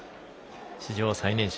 史上最年少。